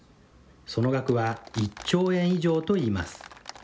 その額は１兆円以上といいます。